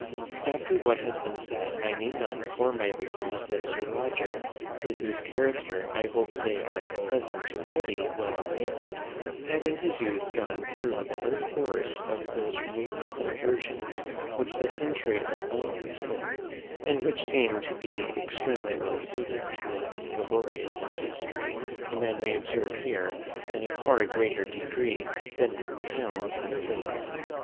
After what has been said, I need not inform my readers that Sir Roger, with whose character I hope they are at present pretty well acquainted, had in his youth gone through the whole course of those rural diversions which the country abounds in; and which seem to be extremely well suited to that laborious industry a man may observe here in a far greater degree than in towns and cities.